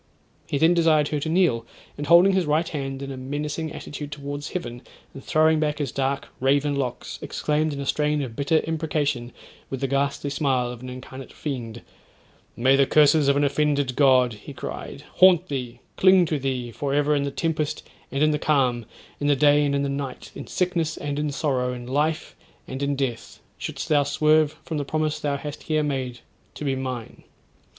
He then desired her to kneel, and holding his right hand in a menacing attitude towards heaven, and throwing back his dark raven locks, exclaimed in a strain of bitter imprecation with the ghastly smile of an incarnate fiend, 'May the curses of an offended God,' he cried, 'haunt thee, cling to thee for ever in the tempest and in the calm, in the day and in the night, in sickness and in sorrow, in life and in death, shouldst thou swerve from the promise thou hast here made to be mine.